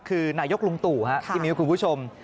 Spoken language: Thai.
คือนายกรุงตู่ฮะที่มิวคุณผู้ชม